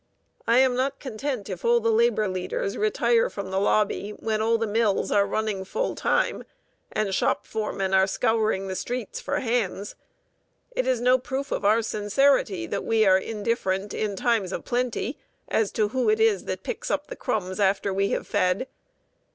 I am not content if the labor leaders retire from the lobby when all the mills are running full time and shop foremen are scouring the streets for "hands." It is no proof of our sincerity that we are indifferent in times of plenty as to who it is that picks up the crumbs after we have fed.